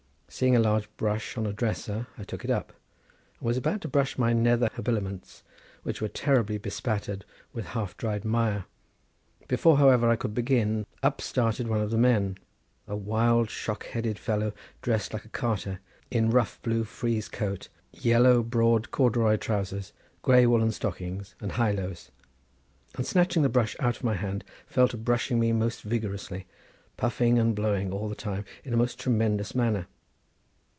Seeing a large brush on a dresser, I took it up, and was about to brush my nether habiliments, which were terribly bespattered with half dried mire. Before, however, I could begin, up started one of the men, a wild shock headed fellow dressed like a carter, in rough blue frieze coat, yellow broad corduroy trowsers, grey woollen stockings and highlows, and snatching the brush out of my hand, fell to brushing me most vigorously, purring and blowing all the time in a most tremendous manner.